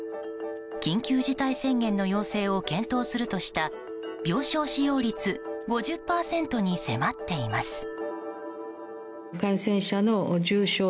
緊急事態宣言の要請を検討するとした病床使用率５０％に迫っています。